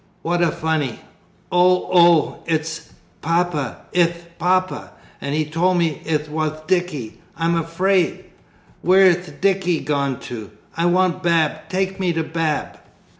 "What a funny ow, ow, it'h Papa! it'h Papa! and he told me it wath Dicky. I'm afwaid! Whereth Dicky gone to? I want Bab, take me to Bab!"